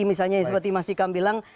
misalnya seperti mas ikam bilang